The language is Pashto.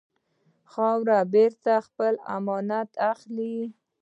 خاوره بېرته خپل امانت اخلي.